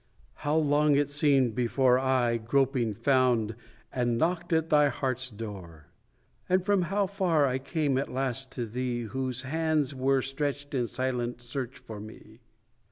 How long it seemed before I, groping, found And knocked at thy heart's door; And from how far I came at last to thee Whose hands were stretched in silent search for me.